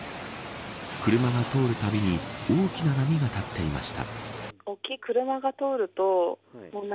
車が通るたびに大きな波が立っていました。